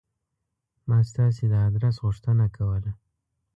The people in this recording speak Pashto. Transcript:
ما ستاسې د آدرس غوښتنه کوله.